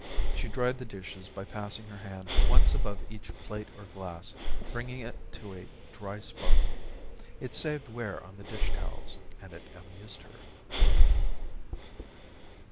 She dried the dishes by passing her hand once above each plate or glass, bringing it to a dry sparkle. It saved wear on the dishtowels, and it amused her.